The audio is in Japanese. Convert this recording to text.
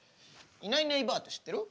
いないいないばあって知ってる？